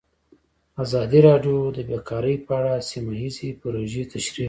ازادي راډیو د بیکاري په اړه سیمه ییزې پروژې تشریح کړې.